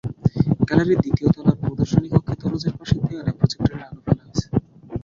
গ্যালারির দ্বিতীয় তলার প্রদর্শনী কক্ষের দরজার পাশের দেয়ালে প্রজেক্টরের আলো ফেলা হয়েছে।